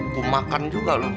gua makan juga lo